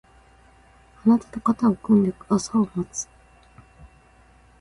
あなたと肩を組んで朝を待つ